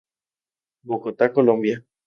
Bogotá, Colombia.